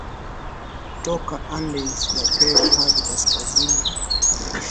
kutoka Andes ya Peru hadi kaskazini na kisha